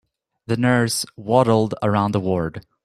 The nurse waddled around the ward.